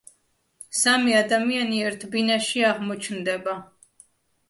სამი ადამიანი ერთ ბინაში აღმოჩნდება.